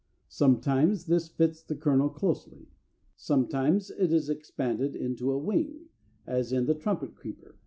Sometimes this fits the kernel closely; sometimes it is expanded into a wing, as in the Trumpet Creeper (Fig.